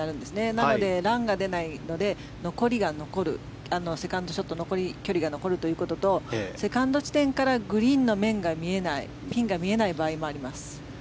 なので、ランが出ないので残りが残るセカンドショット距離が残るということとセカンド地点からグリーンの面が見えないピンが見えない場合もあります。